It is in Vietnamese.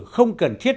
không cần thiết